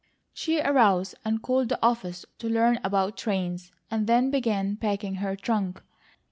She arose and called the office to learn about trains, and then began packing her trunk.